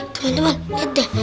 teman teman lihat deh